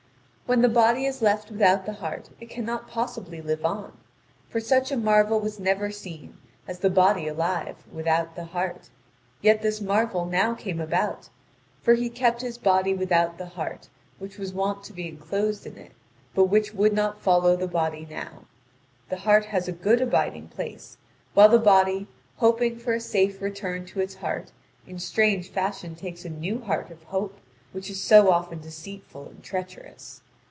When the body is left without the heart it cannot possibly live on. For such a marvel was never seen as the body alive without the heart. Yet this marvel now came about: for he kept his body without the heart, which was wont to be enclosed in it, but which would not follow the body now. The heart has a good abiding place, while the body, hoping for a safe return to its heart, in strange fashion takes a new heart of hope, which is so often deceitful and treacherous.